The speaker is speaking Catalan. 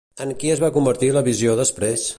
En qui es va convertir la visió després?